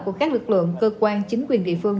của các lực lượng cơ quan chính quyền địa phương